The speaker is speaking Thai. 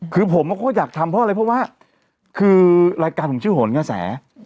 คือผมก็อยากทำเพราะอะไรเพราะว่าคือรายการผมชื่อโหนกระแส